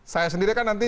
saya sendiri kan nanti